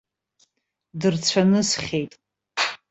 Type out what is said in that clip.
Дырцәанысхьеит.